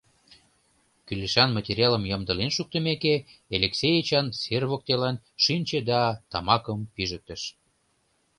Кӱлешан материалым ямдылен шуктымеке, Элексей Эчан сер воктелан шинче да тамакым пижыктыш.